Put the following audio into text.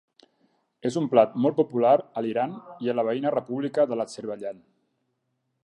És un plat molt popular a l'Iran i a la veïna República de l'Azerbaidjan.